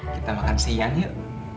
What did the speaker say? kita makan siang yuk